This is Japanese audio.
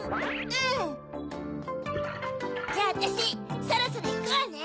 じゃあわたしそろそろいくわね！